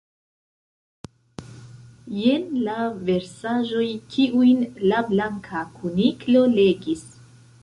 Jen la versaĵoj kiujn la Blanka Kuniklo legis.